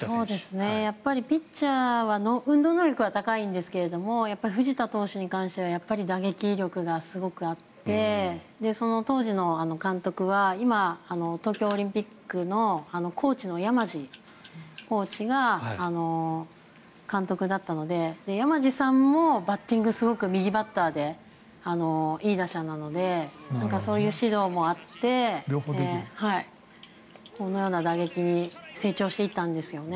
やっぱりピッチャーは運動能力は高いんですが藤田投手に関しては打撃力がすごくあって当時の監督は今、東京オリンピックのコーチの山路コーチが監督だったので山路さんもバッティングが右バッターでいい打者なのでそういう指導もあってこのような打撃に成長していったんですよね。